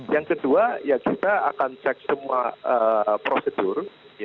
yang kedua ya kita akan cek semua prosedur